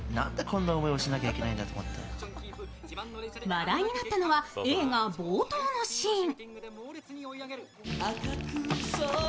話題になったのは映画冒頭のシーン。